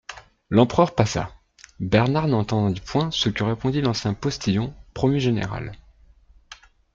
L'empereur passa … Bernard n'entendit point ce que répondit l'ancien postillon promu général.